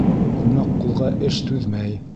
Күмәк ҡулға эш түҙмәй.